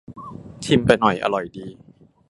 ชิมไปหน่อย อร่อยดี